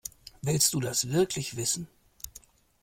Willst du das wirklich wissen?